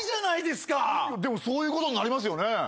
でもそういうことになりますよね？